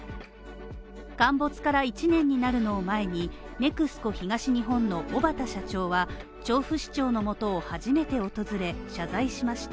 陥没から１年になるのを前に、ＮＥＸＣＯ東日本の小畠社長は、調布市長のもとを初めて訪れ、謝罪しました。